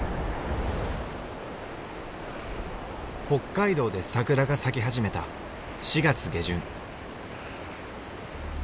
北海道で桜が咲き始めた４月下旬。